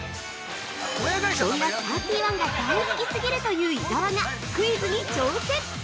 そんなサーティワンが大好き過ぎるという伊沢がクイズに挑戦！